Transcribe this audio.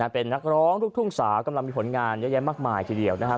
เป็นนักร้องลูกทุ่งสาวกำลังมีผลงานเยอะแยะมากมายทีเดียวนะครับ